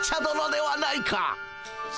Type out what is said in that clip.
どのではないか。